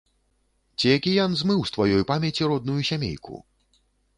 Ці акіян змыў з тваёй памяці родную сямейку?